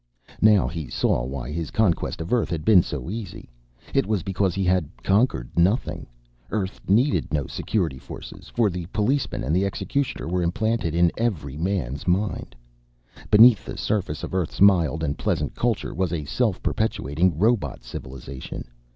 _ Now he saw why his conquest of Earth had been so easy; it was because he had conquered nothing. Earth needed no security forces, for the policeman and the executioner were implanted in every man's mind. Beneath the surface of Earth's mild and pleasant culture was a self perpetuating robot civilization.